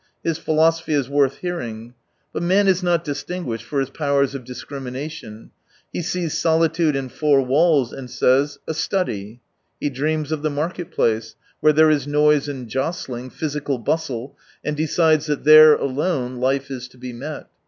His philosophy is worth hearing. But man is not distinguished for his powers of discrimination. He sees soli tude and four walls, and says : a study. He dreams of the market place, where there is noise and jostling, physical bustle, and decides that there alone life is to be met.